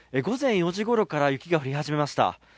午前４時ごろから雪が降り始めました。